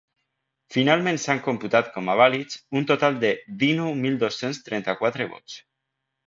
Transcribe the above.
Finalment s’han computat com a vàlids un total de dinou mil dos-cents trenta-quatre vots.